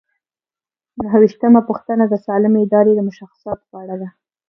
نهه ویشتمه پوښتنه د سالمې ادارې د مشخصاتو په اړه ده.